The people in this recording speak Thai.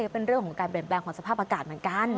เป็นเรื่องของการเปลี่ยนแปลงของสภาพอากาศเหมือนกัน